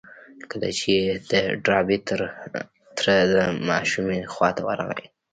کله چې د ډاربي تره د ماشومې خواته ورغی.